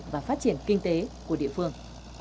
và phát triển kinh tế của địa phương